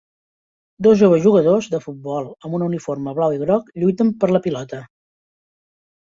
Dos joves jugadors de futbol amb un uniforme blau i groc lluiten per la pilota.